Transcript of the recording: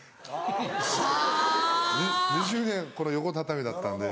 ２０年これ横畳みだったんで。